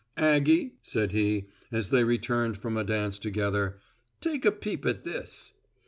"Aggie," said he, as they returned from a dance together, "take a peep at this."